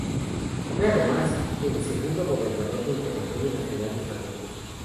Fue, además el segundo gobernador del Territorio Nacional de Santa Cruz.